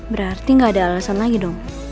berarti gak ada alasan lagi dong